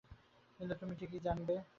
কিন্তু তুমি ঠিকই জানাবে।